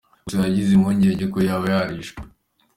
Gusa yagize impungenge ko yaba yarishwe.